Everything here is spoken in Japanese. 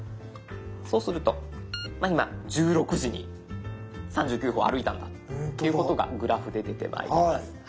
そうすると今１６時に３９歩歩いたんだっていうことがグラフで出てまいります。